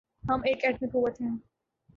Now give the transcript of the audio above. ہم ایک ایٹمی قوت ہیں۔